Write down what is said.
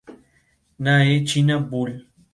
Estas nuevas motorizaciones tuvieron gran demanda.